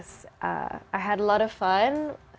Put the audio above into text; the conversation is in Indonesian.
saya menikmati banyak